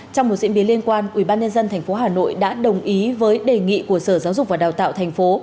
trong một diễn biến liên quan ubnd tp hà nội đã đồng ý với đề nghị của sở giáo dục và đào tạo thành phố